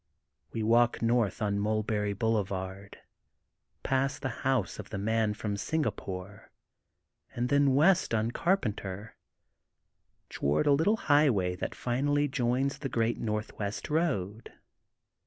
'' We walk north on Mulberry Boule vard, past the House of the Man from Singa pore, and then west on Carpenter toward a little highway that finally joins the great Northwest Boad.